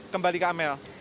kembali ke amel